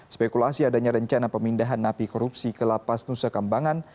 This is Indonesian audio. spekulasi adanya rencana pemindahan napi korupsi ke lapas nusa kambangan